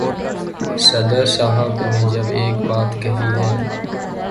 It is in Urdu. صدر صاحب نے جب ایک بات کہی ہے۔